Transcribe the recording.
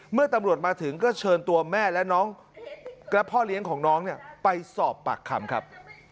เมื่อตำรวจมาถึงก็เชิญตัวแม่และพ่อเลี้ยงของน้องไปสอบปากคำครับ